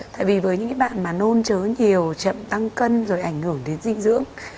tại vì với những cái bạn mà nôn chớ nhiều chậm tăng cân rồi ảnh hưởng đến dinh dưỡng